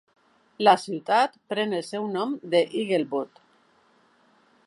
La ciutat pren el seu nom de Eagle Butte.